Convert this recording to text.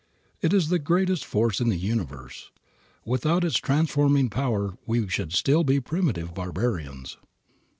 It is the greatest force in the universe. Without its transforming power we should still be primitive barbarians.